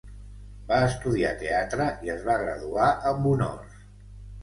Va estudiar teatre i es va graduar amb honors.